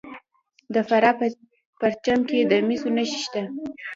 د فراه په پرچمن کې د مسو نښې شته.